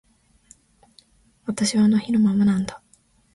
私はあの日のままなんだ